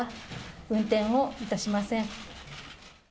運転をいたしません。